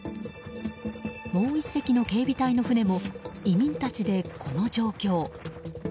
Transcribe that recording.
もう１隻の警備隊の船も移民たちでこの状況。